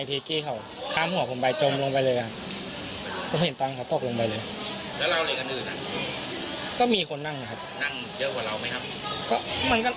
แต่หักหัวอันที่ผมนั่งอันอื่นไม่หัก